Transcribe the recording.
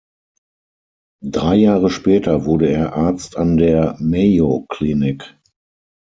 Drei Jahre später wurde er Arzt an der Mayo Clinic.